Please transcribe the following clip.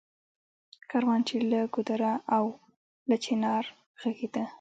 کاروان چــــې له ګـــــودره او له چنار غـــږېده